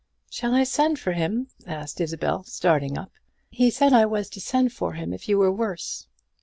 "Shall I send for him?" asked Isabel, starting up; "he said I was to send for him if you were worse."